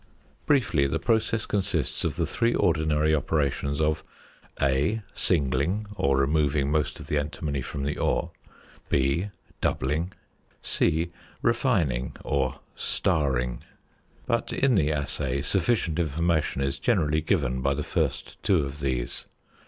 Briefly, the process consists of the three ordinary operations of (a) Singling or removing most of the antimony from the ore; (b) Doubling; (c) Refining or "starring." But in the assay sufficient information is generally given by the first two of these.